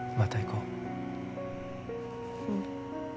うん